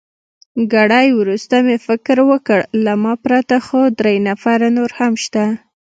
ګړی وروسته مې فکر وکړ، له ما پرته خو درې نفره نور هم شته.